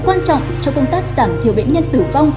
quan trọng cho công tác giảm thiểu bệnh nhân tử vong